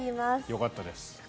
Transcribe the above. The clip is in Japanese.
よかったです。